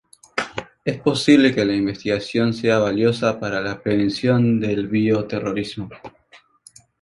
Es posible que la investigación sea valiosa para la prevención del bioterrorismo.